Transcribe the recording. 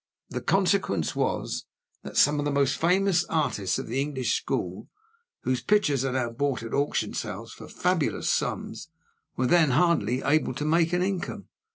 The consequence was, that some of the most famous artists of the English school, whose pictures are now bought at auction sales for fabulous sums, were then hardly able to make an income.